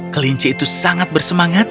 kelinci itu sangat bersemangat